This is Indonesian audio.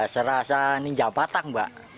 serasa ninja patang mbak